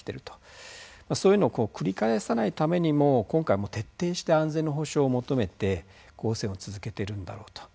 そういうのを繰り返さないためにも今回徹底して安全の保障を求めて交戦を続けてるんだろうと。